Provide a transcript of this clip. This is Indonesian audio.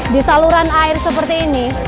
di saluran air seperti ini